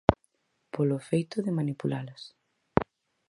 Polo feito de manipulalas.